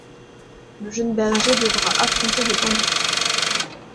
Le jeune berger devra affronter les bandits...